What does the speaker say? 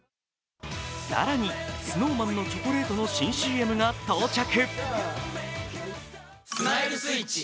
更にＳｎｏｗＭａｎのチョコレートの新ＣＭが到着。